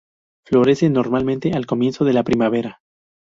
Florece normalmente al comienzo de la primavera.